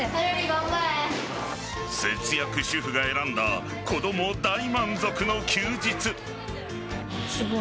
節約主婦が選んだ子供大満足の休日。